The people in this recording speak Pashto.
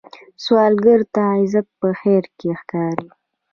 سوالګر ته عزت په خیر کې ښکاري